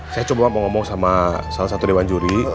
saya coba mau ngomong sama salah satu dewan juri